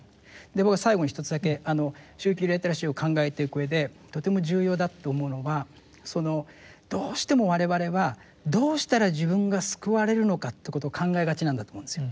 僕は最後に一つだけ宗教リテラシーを考えていくうえでとても重要だって思うのはどうしても我々はどうしたら自分が救われるのかということを考えがちなんだと思うんですよ